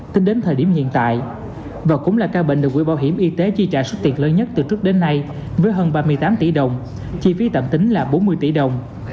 tính đến thời điểm hiện tại và cũng là ca bệnh được quỹ bảo hiểm y tế chi trả số tiền lớn nhất từ trước đến nay với hơn ba mươi tám tỷ đồng chi phí tạm tính là bốn mươi tỷ đồng